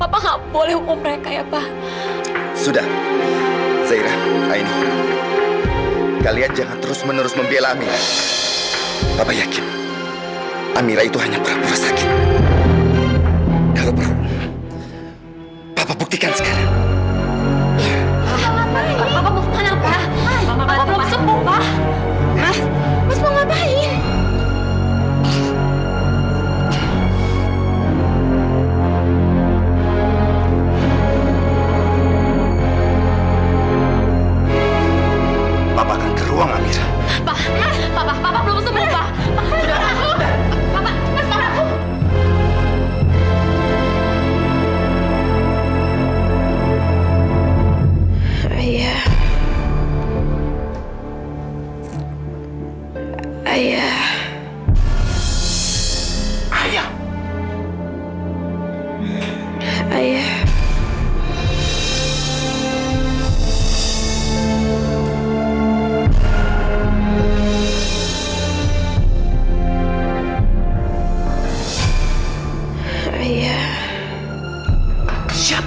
aku harus cari tahu aku harus ke jam jam